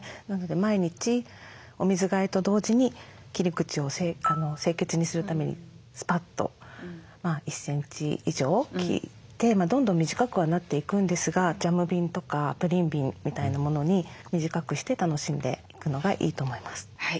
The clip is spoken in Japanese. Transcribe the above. なので毎日お水換えと同時に切り口を清潔にするためにスパッと１センチ以上切ってどんどん短くはなっていくんですがジャム瓶とかプリン瓶みたいなものに短くして楽しんでいくのがいいと思います。